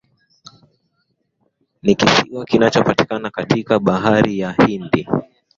Ni kisiwa kinachopatikana katika bahari ya Hindi